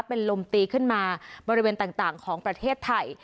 เป็นลมตีขึ้นมาบริเวณต่างของประเทศไทย